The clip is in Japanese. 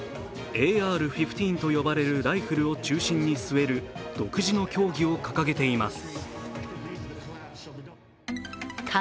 ＡＲ１５と呼ばれるライフルを中心に据える独自の教義を掲げています。